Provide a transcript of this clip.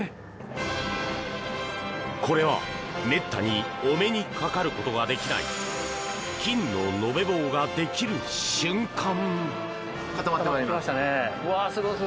これはめったにお目にかかることができない金の延べ棒ができる瞬間。